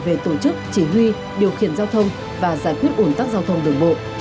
về tổ chức chỉ huy điều khiển giao thông và giải quyết ủn tắc giao thông đường bộ